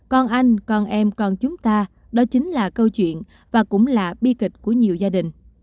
con anh con em con chúng ta đó chính là câu chuyện và cũng là bi kịch của nhiều gia đình